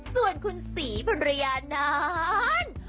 ส่วนคุณศรีภรรยานั้น